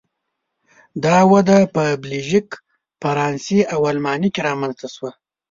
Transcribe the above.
دا وده په بلژیک، فرانسې او آلمان کې رامنځته شوه.